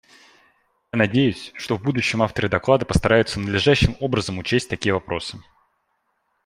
Я надеюсь, что в будущем авторы доклада постараются надлежащим образом учесть такие вопросы.